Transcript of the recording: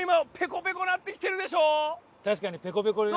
確かにペコペコには。